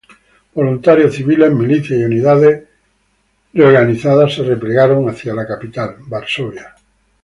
Voluntarios civiles, milicias y unidades reorganizadas se replegaron hacia la capital, Varsovia.